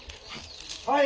はい。